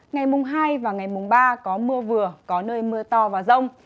ngày mùng hai và ngày mùng ba có mưa vừa có nơi mưa to và rông